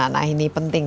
nah ini penting